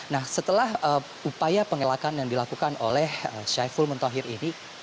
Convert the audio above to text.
nah setelah upaya pengelakan yang dilakukan oleh syaiful muntohir ini